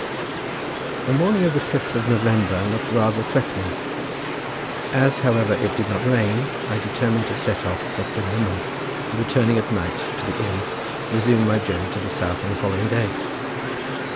The morning of the fifth of November looked rather threatening. As, however, it did not rain, I determined to set off for Plynlimmon, and returning at night to the inn, resume my journey to the south on the following day.